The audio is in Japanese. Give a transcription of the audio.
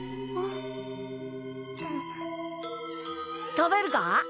食べるか？